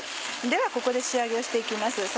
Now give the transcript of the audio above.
ではここで仕上げをして行きます。